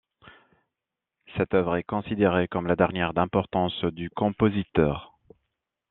Cette œuvre est considérée comme la dernière d'importance du compositeur.